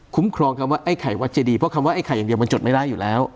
ครองคำว่าไอ้ไข่วัดเจดีเพราะคำว่าไอ้ไข่อย่างเดียวมันจดไม่ได้อยู่แล้ว